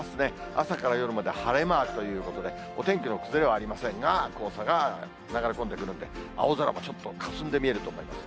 朝から夜まで晴れマークということで、お天気の崩れはありませんが、黄砂が流れ込んでくるんで、青空もちょっとかすんで見えると思います。